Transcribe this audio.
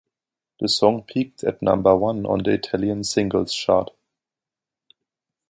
The song peaked at number one on the Italian Singles Chart.